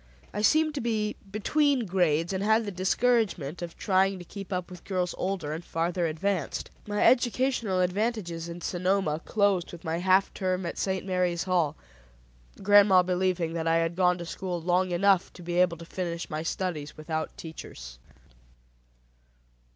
I seemed to be between grades, and had the discouragement of trying to keep up with girls older and farther advanced. My educational advantages in Sonoma closed with my half term at St. Mary's Hall, grandma believing that I had gone to school long enough to be able to finish my studies without teachers.